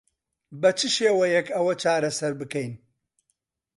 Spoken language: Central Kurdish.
بە چ شێوەیەک ئەوە چارەسەر بکەین؟